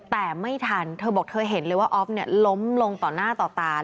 แต่ไม่ทันเธอบอกเธอเห็นเลยว่าออฟเนี่ยล้มลงต่อหน้าต่อตา